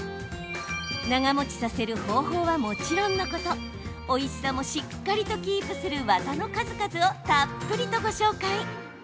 長もちさせる方法はもちろんのことおいしさもしっかりとキープする技の数々をたっぷりとご紹介。